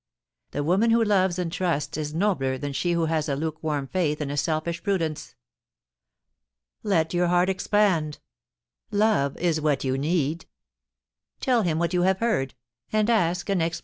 The woman who loves and trusts is nobler than she who has a lukewarm faith and a selfish prudence. Let your heart expand. Love is what you need Tell him what you have heard, and ask an ex FASCINATION.